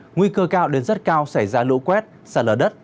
nguy cơ cao đến rất cao xảy ra lũ quét sạt lở đất